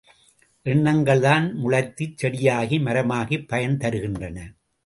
எண்ணங்கள்தான் முளைத்துச் செடியாகி மரமாகிப் பயன் தருகின்றன.